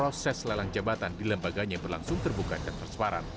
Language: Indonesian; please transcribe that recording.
proses lelang jabatan di lembaga yang berlangsung terbuka dan persparen